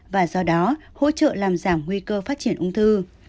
và do đó hỗ trợ làm giảm nguy cơ phát triển ung thư